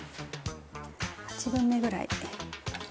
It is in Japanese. ８分目ぐらい。